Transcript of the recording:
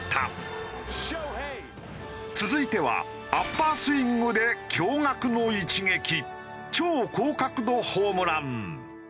続いてはアッパースイングで驚がくの一撃超高角度ホームラン。